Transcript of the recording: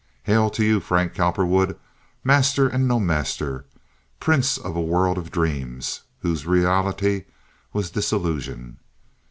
"Hail to you, Frank Cowperwood, master and no master, prince of a world of dreams whose reality was disillusion!"